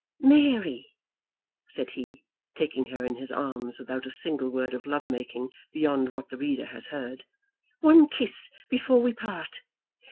"Mary," said he, taking her in his arms, without a single word of love making beyond what the reader has heard, "one kiss before we part."